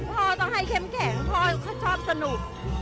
พอต้องให้แข็งพอชอบสนุก